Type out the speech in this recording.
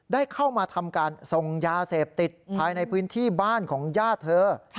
ได้เข้ามาทำการส่งยาเสพติดภายในพื้นที่บ้านของญาติเธอ